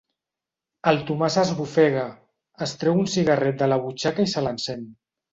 El Tomàs esbufega, es treu un cigarret de la butxaca i se l'encén.